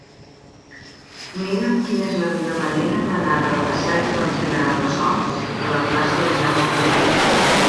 Mira'm quina és la millor manera d'anar de la passatge del General Bassols a la plaça de Jaume Huguet.